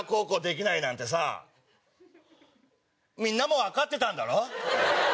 みんなもわかってたんだろ？